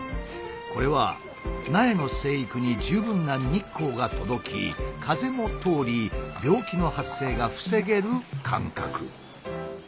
これは苗の生育に十分な日光が届き風も通り病気の発生が防げる間隔。